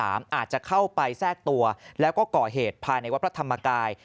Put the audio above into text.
อาจจะเข้าไปแทรกตัวแล้วก็ก่อเหตุภายในวัดพระธรรมกาย